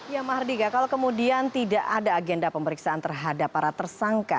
ya mahardika kalau kemudian tidak ada agenda pemeriksaan terhadap para tersangka